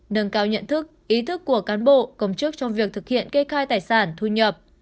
nâng cao nhận thức ý thức của cán bộ công chức trong việc thực hiện kê khai tài sản thu nhập